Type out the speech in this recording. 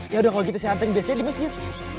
ya udah kalau gitu saya hantar dia sendiri di masjid